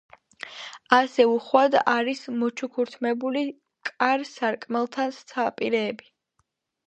ასევე უხვად არის მოჩუქურთმებული კარ-სარკმელთა საპირეებიც.